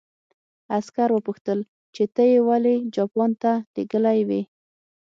عسکر وپوښتل چې ته یې ولې جاپان ته لېږلی وې